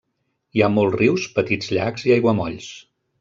Hi ha molts rius, petits llacs i aiguamolls.